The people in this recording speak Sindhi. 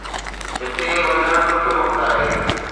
هتي وڌڻ ڏکيو وقت آهي.